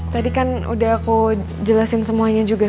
tadi kan udah aku jelasin semuanya juga